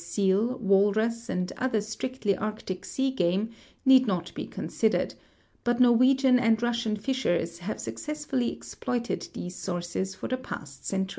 seal, walrus, and other strictly Arctic sea game need not be considered, but Norwegian and Bussian fishers have successfully exploited these sources for the past century.